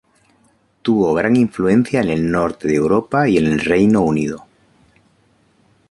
Tuvo gran influencia en el norte de Europa y en el Reino Unido.